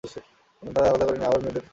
তাদের আলাদা করে নিয়ে আবার মিউটেড করা হয়।